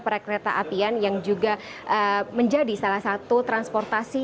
perkereta apian yang juga menjadi salah satu transportasi